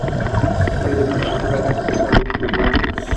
আমি তোর রাগ আর হতাশার কারণটা বুঝতে পারছি, মারান।